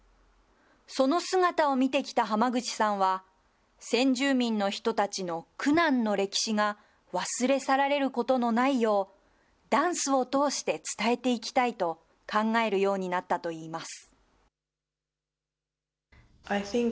その姿を見てきたハマグチさんは、先住民の人たちの苦難の歴史が忘れ去られることのないよう、ダンスを通して伝えていきたいと考えるようになったといいます。